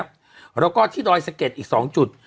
แล้วก็ที่ดอยสะเก็ดอีก๒จุด